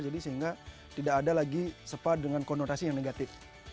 jadi sehingga tidak ada lagi spa dengan konotasi yang negatif